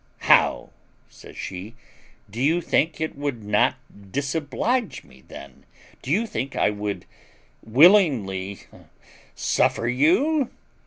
"How," says she, "do you think it would not disoblige me then? Do you think I would willingly suffer you?"